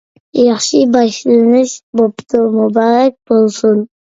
ياخشى باشلىنىش بوپتۇ، مۇبارەك بولسۇن.